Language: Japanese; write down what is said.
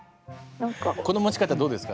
この持ち方どうですか？